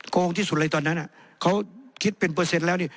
งงที่สุดเลยตอนนั้นเขาคิดเป็นเปอร์เซ็นต์แล้วนี่